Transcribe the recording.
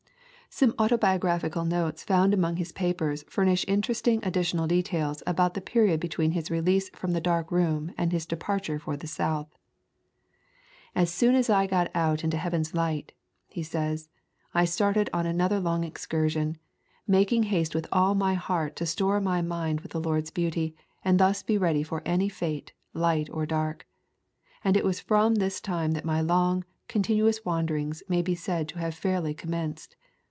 Some autobiographical notes found among his papers furnish interesting additional de tails about the period between his release from the dark room and his departure for the South. "As soon as I got out into heaven's light," he says, "I started on another long excursion, making haste with all my heart to store my mind with the Lord's beauty, and thus be ready for any fate, light or dark. And it was from this time that my long, continuous wanderings may be said to have fairly commenced.